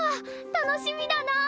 楽しみだなぁ。